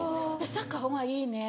サッカーの方がいいね。